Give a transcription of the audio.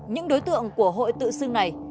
những đối tượng của hội tự xưng này